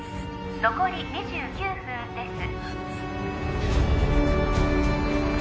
残り２９分です